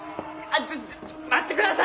ちょちょ待ってください！